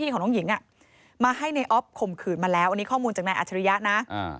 ก็ให้ในออฟข่มขืนมาแล้ววันนี้ข้อมูลจากนายอัจฉริยะนะ